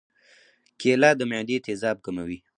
کېله د معدې تیزاب کموي.